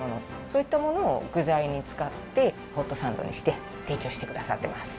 そういったものを具材に使ってホットサンドにして提供してくださってます